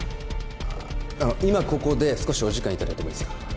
あああの今ここで少しお時間いただいてもいいですか？